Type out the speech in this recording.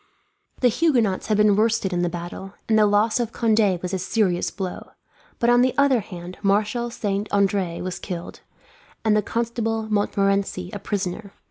The Huguenots had been worsted in the battle, and the loss of Conde was a serious blow; but on the other hand Marshal Saint Andre was killed, and the Constable Montmorency a prisoner.